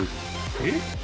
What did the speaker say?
えっ？